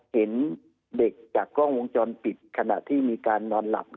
เห็นเด็กจากกล้องวงจรปิดขณะที่มีการนอนหลับ